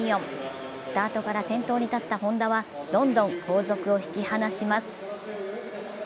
スタートから先頭に立った本多はどんどん後続を引き離します。